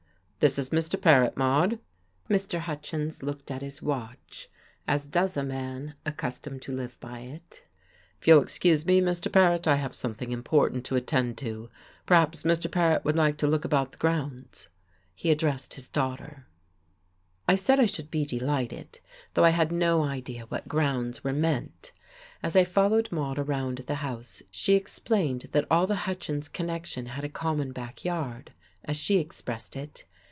"This is Mr. Paret, Maude." Mr. Hutchins looked at his watch as does a man accustomed to live by it. "If you'll excuse me, Mr. Paret, I have something important to attend to. Perhaps Mr. Paret would like to look about the grounds?" He addressed his daughter. I said I should be delighted, though I had no idea what grounds were meant. As I followed Maude around the house she explained that all the Hutchins connection had a common back yard, as she expressed it.